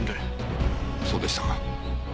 そうでしたか。